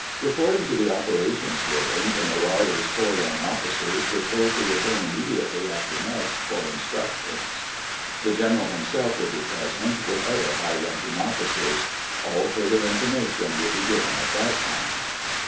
Reporting to the Operations Building, the Marauders' four young officers were told to return immediately after mess for instructions. The general himself would be present, with other high ranking officers. All further information would be given at that time.